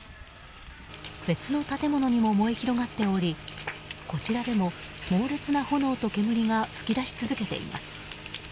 別の建物にも燃え広がっておりこちらでも、猛烈な炎と煙が噴き出し続けています。